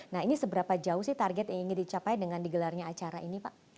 nah ini seberapa jauh sih target yang ingin dicapai dengan di gelarnya acara ini